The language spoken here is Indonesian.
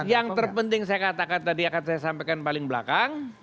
yang terpenting saya katakan tadi akan saya sampaikan paling belakang